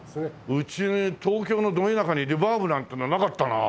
うちに東京のど田舎にルバーブなんてのはなかったなあ。